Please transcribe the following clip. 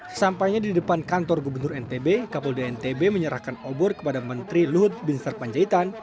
sesampainya di depan kantor gubernur ntb kapolda ntb menyerahkan obor kepada menteri luhut bin sarpanjaitan